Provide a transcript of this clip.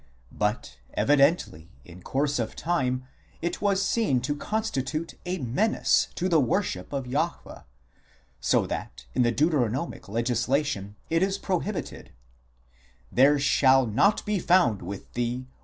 But, evidently, in course of time it was seen to constitute a menace to the worship of Jahwe ; so that in the Deuteronomic legislation it is prohibited :" There shall not be found with thee